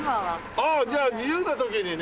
ああじゃあ自由な時にね。